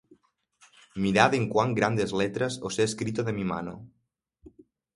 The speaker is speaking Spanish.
Mirad en cuán grandes letras os he escrito de mi mano.